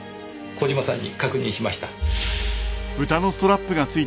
小島さんに確認しました。